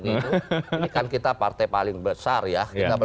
ini kan kita partai paling besar ya